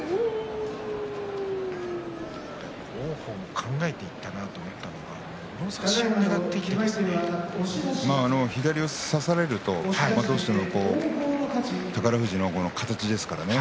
王鵬も考えていったなと思ったのは左を差されるとどうしても宝富士の形ですからね。